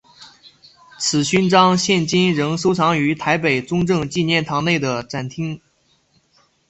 此勋章现今仍收藏于台北中正纪念堂内的展览厅。